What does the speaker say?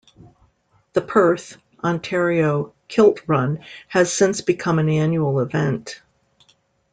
The Perth, Ontario, Kilt Run has since become an annual event.